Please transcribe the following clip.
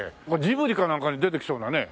ジブリかなんかに出てきそうだね。